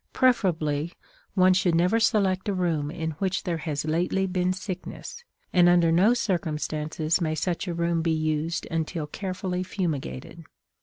Preferably, one should never select a room in which there has lately been sickness, and under no circumstances may such a room be used until carefully fumigated.